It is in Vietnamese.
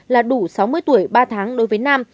là đủ sáu mươi tuổi ba tháng đối với nam